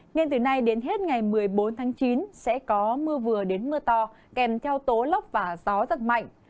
nên từ nay đến hết ngày một mươi bốn tháng chín sẽ có mưa vừa đến mưa to kèm theo tố lốc và gió giật mạnh